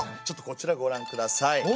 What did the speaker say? ちょっとこちらごらんください。